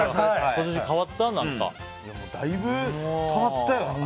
だいぶ変わったよね。